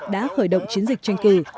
đã khởi động chiến dịch tranh cử